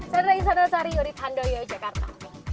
saya raih sandasari yurit handoyo jakarta